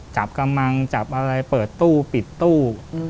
กำลังจับอะไรเปิดตู้ปิดตู้